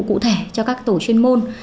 cụ thể cho các tổ chuyên môn